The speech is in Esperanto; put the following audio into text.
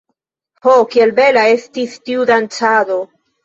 Ho, kiel bela estis tiu dancado!